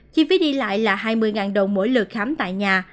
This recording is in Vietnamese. chi phí đi lại là hai mươi đồng mỗi lượt khám tại nhà